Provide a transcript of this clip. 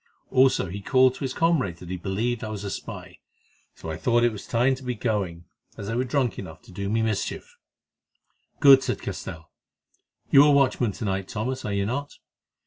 Also he called to his comrades that he believed I was a spy, so I thought it time to be going, as they were drunk enough to do me a mischief." "Good," said Castell. "You are watchman tonight, Thomas, are you not?